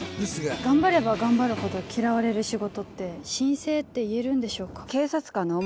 頑張れば頑張るほど嫌われる仕事って神聖って言えるんでしょうか？